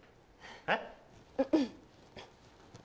えっ？